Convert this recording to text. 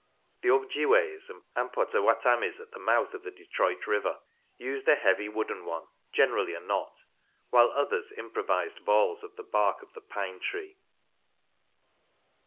The Objiways and Poutawatamies at the mouth of the Detroit River used a heavy wooden one, generally a knot ; while others improvised balls of the bark of the pine tree. I 14 THE ORIGINAL GAME.